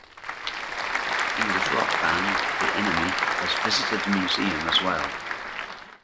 English rock band The Enemy has visited the museum as well.